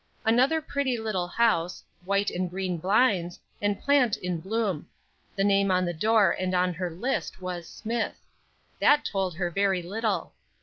Another pretty little house, white and green blinds, and plant in bloom; the name on the door and on her list was "Smith." That told her very little.